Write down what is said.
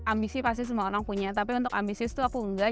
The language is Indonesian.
ambisi pasti semua orang punya tapi untuk ambisius tuh aku enggak